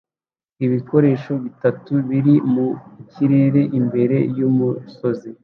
Ibikoresho bitatu biri mu kirere imbere yumusozi